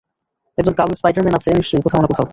একজন কালো স্পাইডার-ম্যান আছে নিশ্চয়ই, কোথাও না কোথাও।